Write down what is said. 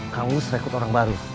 kamu serikut orang baru